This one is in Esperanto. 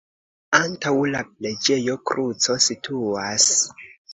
Antaŭ la preĝejo kruco situas.